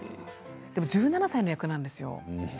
でも１７歳の役なんですよ。